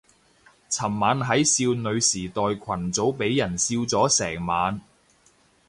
尋晚喺少女時代群組俾人笑咗成晚